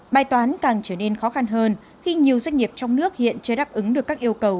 bài toán càng trở nên khó khăn hơn khi nhiều doanh nghiệp trong nước hiện chưa đáp ứng được các yêu cầu